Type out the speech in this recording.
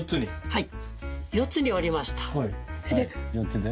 はい。